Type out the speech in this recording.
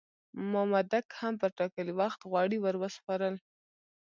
مامدک هم پر ټاکلي وخت غوړي ور وسپارل.